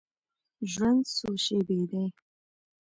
ژوند څو شیبې دی.